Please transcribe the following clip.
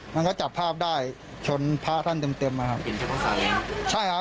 มันก็จับภาพได้ชนพระท่านเต็มมาครับใช่ครับ